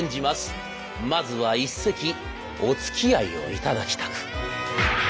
まずは一席おつきあいをいただきたく。